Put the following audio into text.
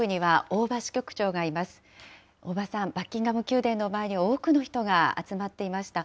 大庭さん、バッキンガム宮殿の前に多くの人が集まっていました。